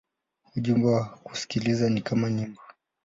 Ujumbe wa kusikiliza ni kama nyimbo.